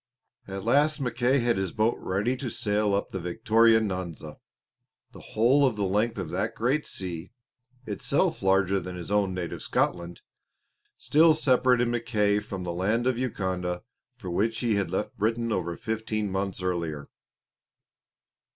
At last Mackay had his boat ready to sail up the Victoria Nyanza. The whole of the length of that great sea, itself larger than his own native Scotland, still separated Mackay from the land of Uganda for which he had left Britain over fifteen months earlier.